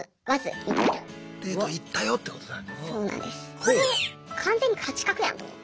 これ完全に「勝ち確」やんと思って。